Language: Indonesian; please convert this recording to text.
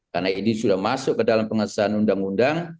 karena ini sudah masuk ke dalam pengesahan undang undang